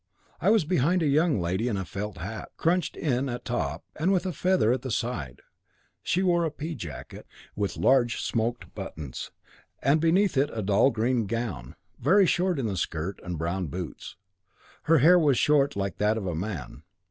I was behind a young lady in a felt hat, crunched in at top, and with a feather at the side; she wore a pea jacket, with large smoked buttons, and beneath it a dull green gown, very short in the skirt, and brown boots. Her hair was cut short like that of a man.